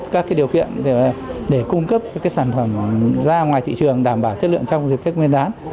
các điều kiện để cung cấp sản phẩm ra ngoài thị trường đảm bảo chất lượng trong dịp tết nguyên đán